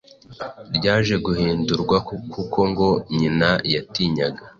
ryaje guhindurwa kuko ngo nyina yatinyaga